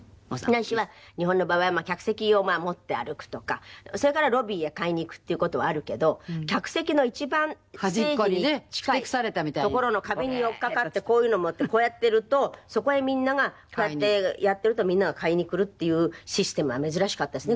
ないしは日本の場合は客席を持って歩くとかそれからロビーへ買いに行くっていう事はあるけど客席の一番ステージに近い所の壁に寄っかかってこういうの持ってこうやってるとそこへみんながこうやってやってるとみんなが買いに来るっていうシステムは珍しかったですね